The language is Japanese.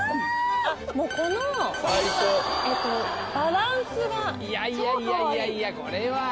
もうこのバランスがいやいやいやいやいやこれは！